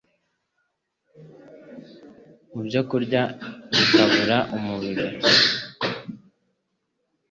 mu byokurya bikabura umubiri.